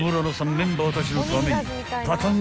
メンバーたちのためにパタン